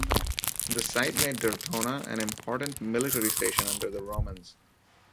The site made Dertona an important military station under the Romans.